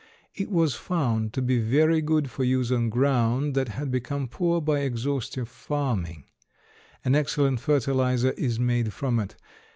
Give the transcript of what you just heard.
It was found to be very good for use on ground that had become poor by exhaustive farming. An excellent fertilizer is made from it.